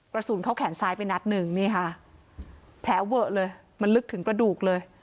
กระสุนเข้าแขนซ้ายไปนัดหนึ่งนี่ค่ะแผลเวอะเลยมันลึกถึงกระดูกเลย